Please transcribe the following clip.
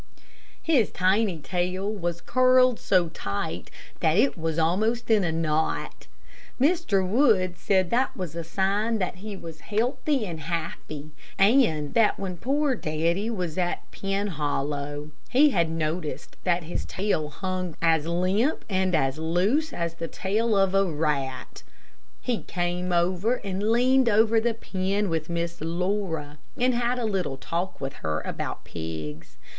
His tiny tail was curled so tight that it was almost in a knot. Mr. Wood said that was a sign that he was healthy and happy, and that when poor Daddy was at Penhollow he had noticed that his tail hung as limp and as loose as the tail of a rat. He came and leaned over the pen with Miss Laura, and had a little talk with her about pigs.